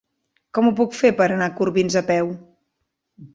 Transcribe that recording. Com ho puc fer per anar a Corbins a peu?